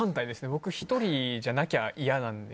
僕、１人じゃなきゃ嫌なので。